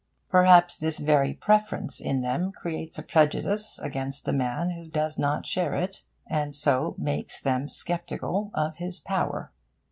Perhaps this very preference in them creates a prejudice against the man who does not share it, and so makes them sceptical of his power.